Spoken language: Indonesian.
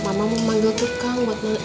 mama mau manggil tukang buat